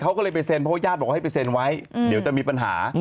เขาก็เลยไปเซ็นเพราะว่าญาติบอกว่าให้ไปเซ็นไว้เดี๋ยวจะมีปัญหา